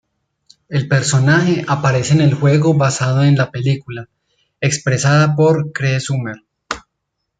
El personaje aparece en el juego basado en la película, expresada por Cree Summer.